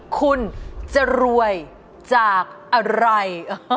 คุณจะรวยจากอะไร